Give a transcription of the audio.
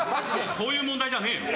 そういう問題じゃねえよ。